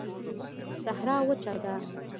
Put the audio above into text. صحرا وچه ده